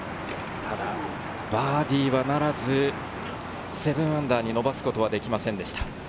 バーディーにはならず、−７に伸ばすことはできませんでした。